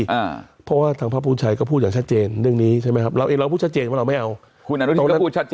แต่มันก็ต้องไปคุยละละเอียดว่า